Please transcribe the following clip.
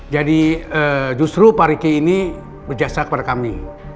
jadi justru pak riki ini berjaksa kepada kami